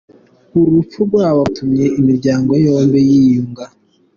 Uru rupfu rwabo rwatumye imiryango yombi yiyunga.